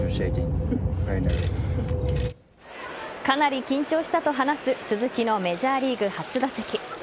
かなり緊張したと話す鈴木のメジャーリーグ初打席。